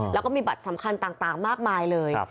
แล้วก็มีบัตรสำคัญต่างมากมายเลย